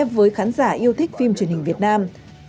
với khán giả yêu thích phim truyền hình việt nam